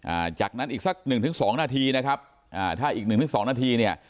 อ่าจากนั้นอีกสักหนึ่งถึงสองนาทีนะครับอ่าถ้าอีกหนึ่งถึงสองนาทีเนี่ย